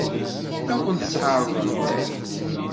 Ad kent-t-ɛeṛḍent?